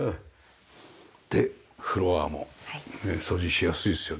でフロアも掃除しやすいですよね